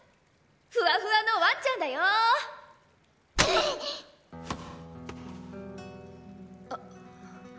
ふわふわのワンちゃんだよォあっ。